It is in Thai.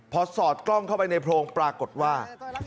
พอสอดกล้องเข้าไปในโพรงปรากฏว่า